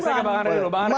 saya ke bang andre dulu